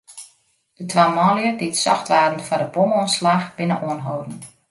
De twa manlju dy't socht waarden foar de bomoanslach, binne oanholden.